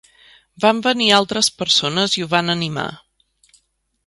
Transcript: Van venir altres persones i ho van animar.